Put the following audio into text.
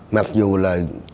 mặc dù là